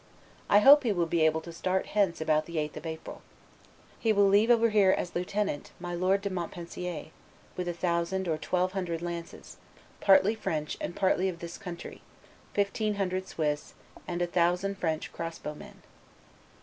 I hope he will be able to start hence about the 8th of April. He will leave over here, as lieutenant, my lord de Montpensier, with a thousand or twelve hundred lances, partly French and partly of this country, fifteen hundred Swiss, and a thousand French crossbow men."